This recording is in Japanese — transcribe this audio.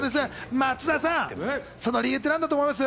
松田さん、その理由って何だと思います？